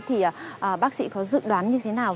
thì bác sĩ có dự đoán như thế nào